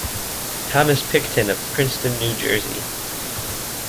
Thomas Picton of Princeton, New Jersey.